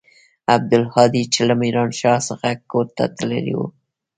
عبدالهادي چې له ميرانشاه څخه کور ته تللى و.